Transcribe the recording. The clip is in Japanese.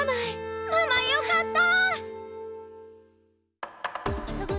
ママよかった！